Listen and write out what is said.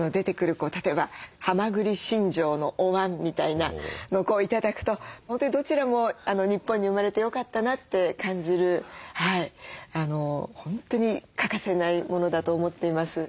例えばはまぐりしんじょうのおわんみたいなのを頂くと本当にどちらも日本に生まれてよかったなって感じる本当に欠かせないものだと思っています。